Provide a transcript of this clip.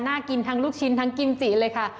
กินทั้งลูกชิ้นทั้งกิมจิเลยค่ะ